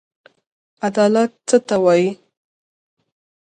عدالت څه ته وايي.